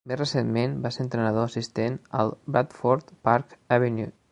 Més recentment, va ser entrenador assistent al Bradford Park Avenue.